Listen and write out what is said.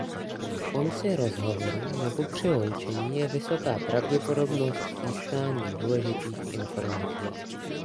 Na konci rozhovoru nebo při loučení je vysoká pravděpodobnost získání důležitých informací.